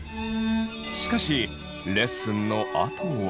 しかしレッスンのあとは。